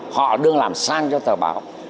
họ đương làm sang cho tờ báo